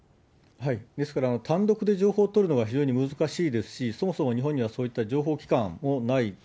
ですから、単独で情報を取るのは非常に難しいですし、そもそも日本にはそういった情報機関もない。